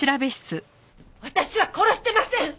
私は殺してません！